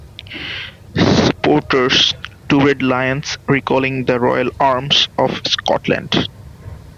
Supporters: Two red lions, recalling the royal arms of Scotland.